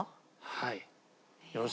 はい。